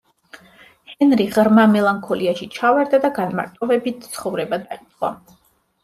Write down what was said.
ჰენრი ღრმა მელანქოლიაში ჩავარდა და განმარტოვებით ცხოვრება დაიწყო.